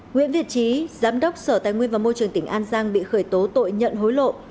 nguyễn việt trí giám đốc sở tài nguyên và môi trường tỉnh an giang bị khởi tố tội nhận hối lộ